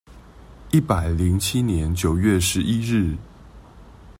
一百零七年九月十一日